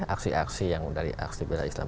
aksi aksi yang dari aksi bila islam satu dua tiga